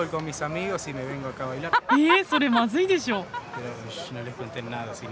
えそれまずいでしょ？